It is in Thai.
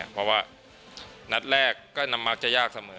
เพราะว่านัดแรกก็นำมักจะยากเสมอ